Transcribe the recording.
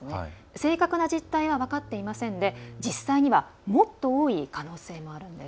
正確な実態は分かっていませんで実際にはもっと多い可能性もあるんです。